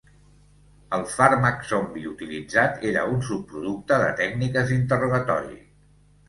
El "fàrmac zombi" utilitzat era un subproducte de tècniques d'interrogatori.